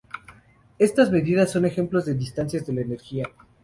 Estas medidas son ejemplos de distancias de la energía.